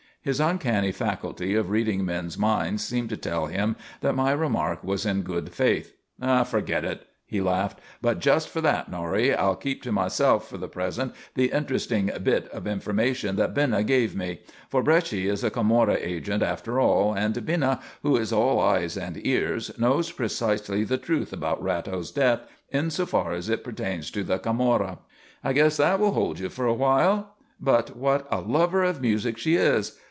His uncanny faculty of reading men's minds seemed to tell him that my remark was in good faith. "Forget it," he laughed. "But just for that, Norrie, I'll keep to myself for the present the interesting bit of information that Bina gave me; for Bresci is a Camorra agent after all, and Bina, who is all eyes and ears, knows precisely the truth about Ratto's death in so far as it pertains to the Camorra. I guess that will hold you for a while? But what a lover of music she is!